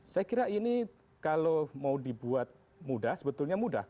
saya kira ini kalau mau dibuat mudah sebetulnya mudah